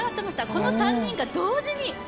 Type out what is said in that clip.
この３人が同時に。